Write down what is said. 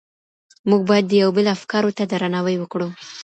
موږ بايد د يو بل افکارو ته درناوی وکړو.